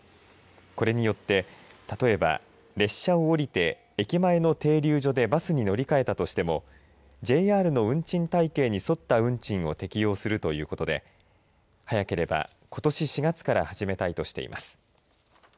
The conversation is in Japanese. これによって、例えば列車を降りて駅前の停留所でバスに乗り換えたとしてもＪＲの運賃体系に沿った運賃を適用するということで早ければことし４月から始めたいとしています。